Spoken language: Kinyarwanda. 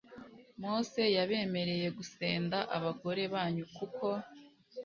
mose yabemereye gusenda abagore banyu kuko